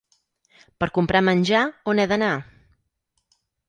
Per comprar menjar, on he d'anar?